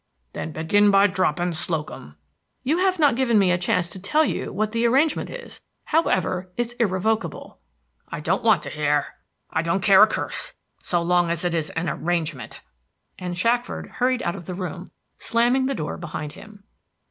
"Then begin by dropping Slocum." "You have not given me a chance to tell you what the arrangement is. However, it's irrevocable." "I don't want to hear. I don't care a curse, so long as it is an arrangement," and Mr. Shackford hurried out of the room, slamming the door behind him.